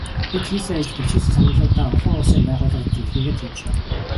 Бид хийсэн ажил, дэвшүүлсэн саналуудаа олон улсын байгууллагуудад илгээгээд явж байгаа.